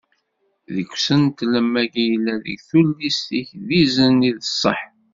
Deg usentel am wagi yellan deg tullist-ik d izen i d sseḥ.